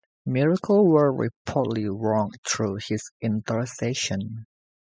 Miracles were reportedly wrought through his intercession.